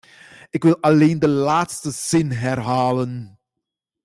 Ik wil alleen de laatste zin herhalen.